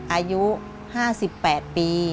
อายุ๕๘ปี